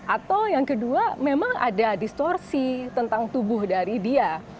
atau yang kedua memang ada distorsi tentang tubuh dari dia